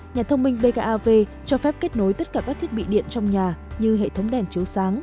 nhà thông minh bkav cho phép kết nối tất cả các thiết bị điện trong nhà như hệ thống đèn chiếu sáng